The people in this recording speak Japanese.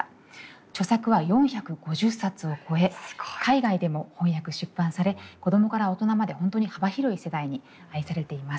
著作は４５０冊を超え海外でも翻訳出版され子供から大人まで本当に幅広い世代に愛されています。